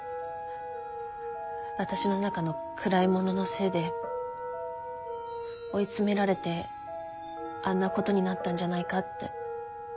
私の中の暗いもののせいで追い詰められてあんなことになったんじゃないかって。